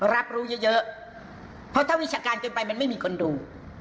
รับรู้เยอะเพราะถ้าวิชาการเกินไปมันไม่มีคนดู